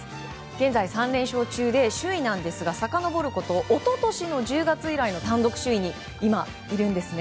現在３連勝中で首位なんですがさかのぼること一昨年の１０月以来の単独首位に今、いるんです。